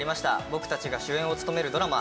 僕たちが主演を務めるドラマ